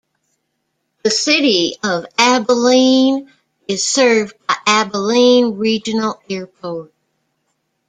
The city of Abilene is served by Abilene Regional Airport.